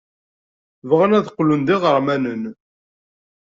Bɣan ad qqlen d iɣermanen.